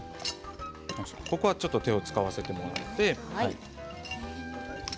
ここはちょっと手を使わせてもらって。